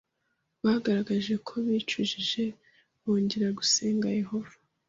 Bagaragaje ko bicujije bongera gusenga Yehova.